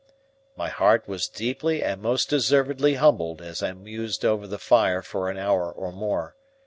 My heart was deeply and most deservedly humbled as I mused over the fire for an hour or more.